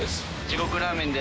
地獄ラーメン。